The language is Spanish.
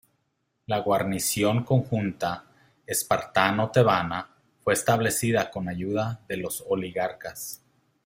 La guarnición conjunta espartano-tebana fue establecida con ayuda de los oligarcas.